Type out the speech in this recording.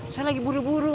saya lagi buru buru